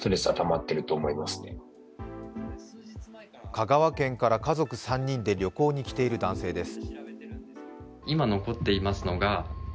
香川県から家族３人で旅行に来ている男性です。